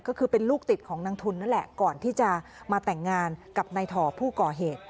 ก็คือเป็นลูกติดของนางทุนนั่นแหละก่อนที่จะมาแต่งงานกับนายถ่อผู้ก่อเหตุ